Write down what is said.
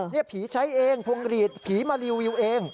นี่ผีใช้เองพวงหลีดผีมารีวิวเอง